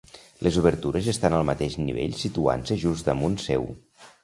Les obertures estan al mateix nivell situant-se just damunt seu.